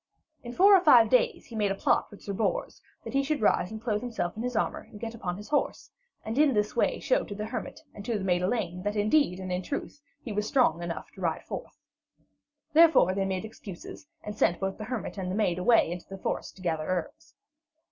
In four or five days he made a plot with Sir Bors, that he should rise and clothe himself in his armour and get upon his horse, and in this way show to the hermit and to the maid Elaine that indeed and in truth he was strong enough to ride forth. Therefore they made excuses and sent both the hermit and the maid away into the forest to gather herbs.